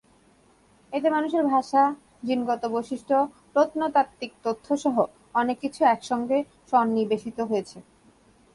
এতে মানুষের ভাষা, জিনগত বৈশিষ্ট্য, প্রত্নতাত্ত্বিক তথ্যসহ অনেক কিছু একসঙ্গে সন্নিবেশিত হয়েছে।